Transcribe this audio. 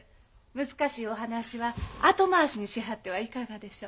難しいお話は後回しにしはってはいかがでしょう？